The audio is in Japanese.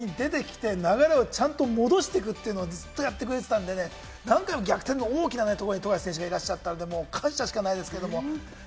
ホント、富樫選手は流れが悪くなりそうなときに出てきて、流れを戻していくというのをずっとやってくれてたので、何回も逆転の大きなところで富樫選手がいらっしゃったので、感謝しかないです。